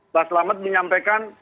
mbak selamat menyampaikan